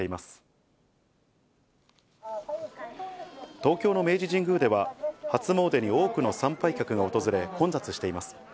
東京の明治神宮では、初詣に多くの参拝客が訪れ、混雑しています。